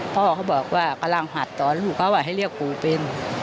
พ่อเขาบอกว่ากำลังหัดตอนลูกเขาให้เรียกปู่เป็น